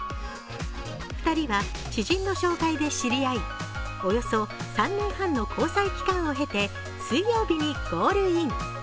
２人は知人の紹介で知り合い、およそ３年半の交際期間を経て水曜日にゴールイン。